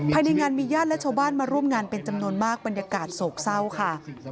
ภายในงานมีญาติและชาวบ้านมาร่วมงานเป็นจำนวนมากบรรยากาศโศกเศร้าค่ะ